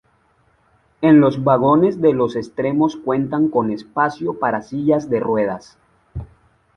En los vagones de los extremos cuentan con espacio para sillas de ruedas.